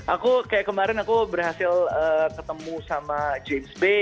aku kayak kemarin aku berhasil ketemu sama james bay